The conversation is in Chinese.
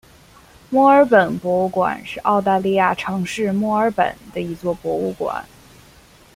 墨尔本博物馆是澳大利亚城市墨尔本的一座博物馆。